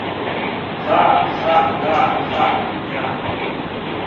ка кха га гха ња